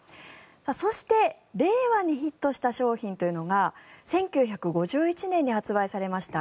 そして令和でヒットした商品というのが１９５１年に発売されました